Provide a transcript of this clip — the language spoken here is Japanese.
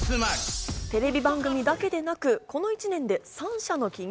テレビ番組だけでなく、この１年で３社の企業